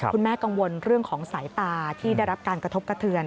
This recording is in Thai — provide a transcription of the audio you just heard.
คุณแม่กังวลเรื่องของสายตาที่ได้รับการกระทบกระเทือน